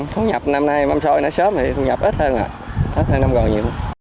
thu nhập năm nay mâm sôi nó sớm thì thu nhập ít hơn rồi ít hơn năm gần nhiều hơn